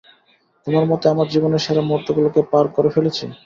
তোমার মতে আমার জীবনের সেরা মূহুর্তগুলোকে পার করে ফেলেছি?